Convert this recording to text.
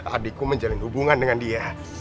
adikku menjalin hubungan dengan dia